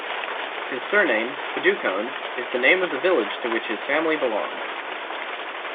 His surname, Padukone, is the name of the village to which his family belongs.